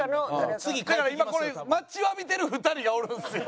だから今これ待ちわびてる２人がおるんですよ。